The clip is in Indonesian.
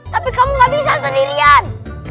tapi kamu gak bisa sendirian